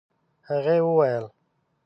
هغې وويل: